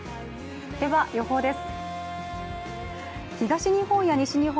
では、予報です。